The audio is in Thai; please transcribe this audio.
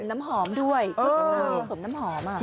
กล้วยผสมน้ำหอมด้วย